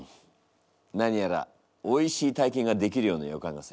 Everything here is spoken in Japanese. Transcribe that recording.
何やらおいしい体験ができるような予感がする。